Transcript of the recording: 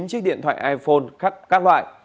chín chiếc điện thoại iphone các loại